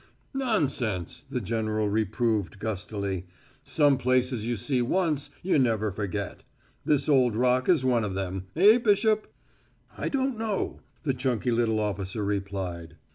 "Nonsense!" the general reproved gustily. "Some places you see once you never forget. This old Rock is one of them; eh, Bishop?" "I don't know," the chunky little officer replied.